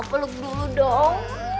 peluk dulu dong